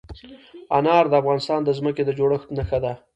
انار د افغانستان د ځمکې د جوړښت نښه ده.